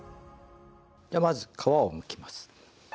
じゃあまず皮をむきます。